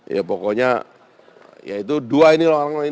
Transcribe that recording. ya pokoknya ya itu dua ini loh